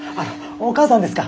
お母さんですか。